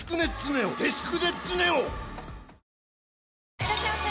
いらっしゃいませ！